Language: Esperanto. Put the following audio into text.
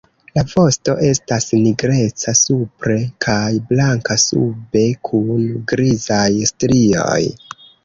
La vosto estas nigreca supre kaj blanka sube kun grizaj strioj.